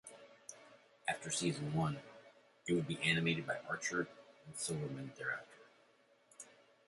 After season one, it would be animated by Archer and Silverman thereafter.